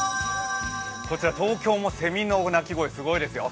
こちら東京もせみの鳴き声すごいですよ。